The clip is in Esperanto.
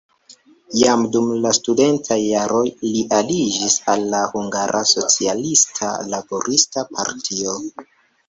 Jam dum la studentaj jaroj li aliĝis al la Hungara Socialista Laborista Partio.